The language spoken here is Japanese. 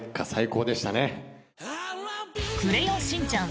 「クレヨンしんちゃん」